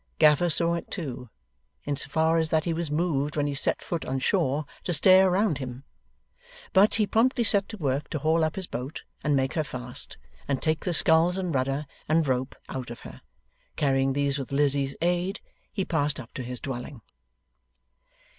Gaffer saw it, too, in so far as that he was moved when he set foot on shore, to stare around him. But, he promptly set to work to haul up his boat, and make her fast, and take the sculls and rudder and rope out of her. Carrying these with Lizzie's aid, he passed up to his dwelling.